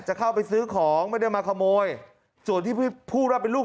จะเข้าไปซื้อของไม่ได้มาขโมยส่วนที่พูดว่าเป็นลูก